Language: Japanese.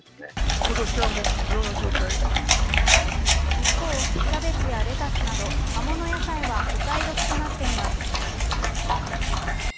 一方、キャベツやレタスなど葉物野菜はお買い得となっています。